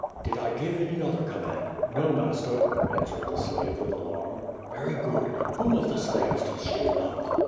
"Did I give any other command?" No, master," answered the slave, with alarm. ''Very good. Whom of the slaves does she love?"